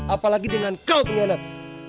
apalagi dengan kau pengkhianat